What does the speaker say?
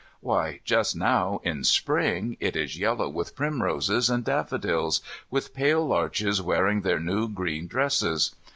Why, just now in Spring it is yellow with primroses and daffodils, with pale larches wearing their new green dresses.